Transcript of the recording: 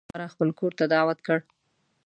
بهلول یو کس د مېلمستیا لپاره خپل کور ته دعوت کړ.